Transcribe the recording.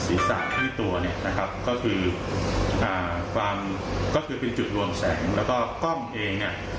ศีรษะที่ตัวเนี่ยนะครับก็คืออ่าความก็คือเป็นจุดรวมแสงแล้วก็กล้องเองเนี่ย